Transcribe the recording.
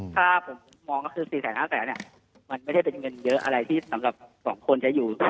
ถ้าผมมองก็คือ๔๕๐๐มันไม่ได้เป็นเงินเยอะอะไรที่สำหรับ๒คนจะอยู่